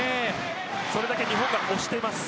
それだけ日本が押しています。